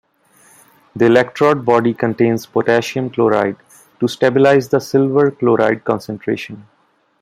The electrode body contains potassium chloride to stabilize the silver chloride concentration.